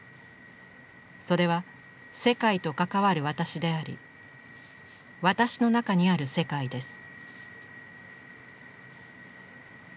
それは世界と関わる私であり私の中にある世界です。